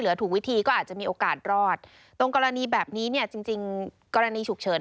เหลือถูกวิธีก็อาจจะมีโอกาสรอดต้นกรณีแบบนี้จริงกรณีฉุกเฉิน